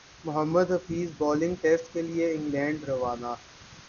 محمد Hafeez bowling test کیلئے England روانہ